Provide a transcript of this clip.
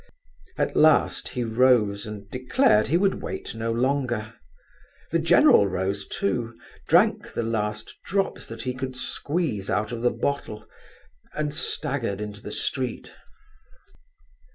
At last he rose and declared that he would wait no longer. The general rose too, drank the last drops that he could squeeze out of the bottle, and staggered into the street.